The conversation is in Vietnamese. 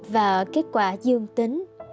và kết quả dương tính